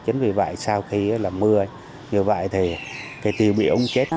chính vì vậy sau khi là mưa như vậy thì tiêu bị ống chết